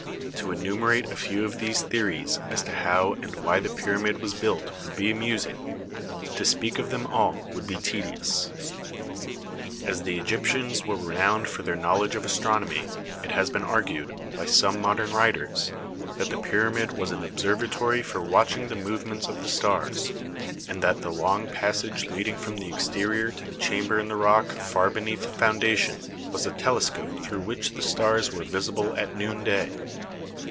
To enumerate a few of these theories as to how and why the pyramid was built would be amusing; to speak of them all would be tedious. As the Egyptians were renowned for their knowledge of astronomy it has been argued, by some modern writers, that the pyramid was an observatory for watching the movements of the stars, and that the long passage leading from the exterior to the chamber in the rock far beneath the foundation was a telescope through which the stars were visible at noonday.